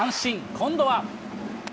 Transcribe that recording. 今度は。